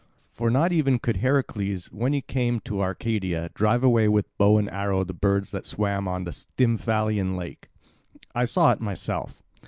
For not even could Heracles, when he came to Arcadia, drive away with bow and arrow the birds that swam on the Stymphalian lake. I saw it myself.